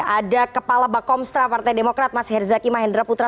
ada kepala bakomstra partai demokrat mas herzaki mahendra putra